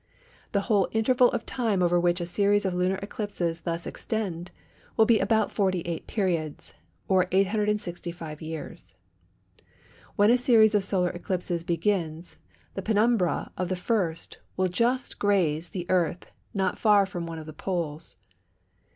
The whole interval of time over which a series of lunar eclipses thus extend will be about 48 periods, or 865 years. When a series of solar eclipses begins, the penumbra of the first will just graze the earth not far from one of the poles.